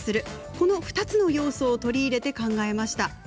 この２つの要素を取り入れて考えました。